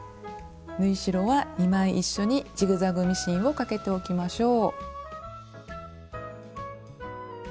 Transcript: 縫い代は２枚一緒にジグザグミシンをかけておきましょう。